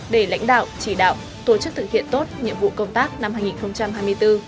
để lãnh đạo chỉ đạo tổ chức thực hiện tốt nhiệm vụ công tác năm hai nghìn hai mươi bốn